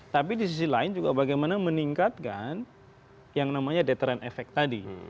tapi di sisi lain juga bagaimana meningkatkan yang namanya deteren efek tadi